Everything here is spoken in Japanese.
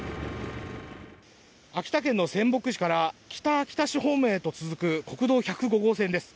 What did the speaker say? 秋田県の仙北市から北秋田市方面に続く国道１０５号線です。